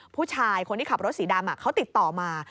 ผู้ชายคนที่ขับรถสีดำเขาติดต่อมา